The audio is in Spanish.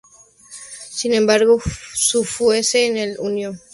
Sin embargo, fue Zuse el que unió todo esto e hizo que funcionara.